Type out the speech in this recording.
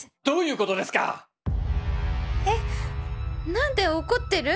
何で怒ってる？